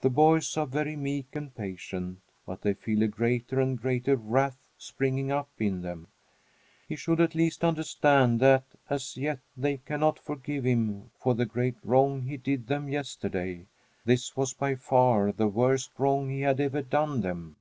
The boys are very meek and patient, but they feel a greater and greater wrath springing up in them. He should at least understand that, as yet, they cannot forgive him for the great wrong he did them yesterday. This was by far the worst wrong he had ever done them.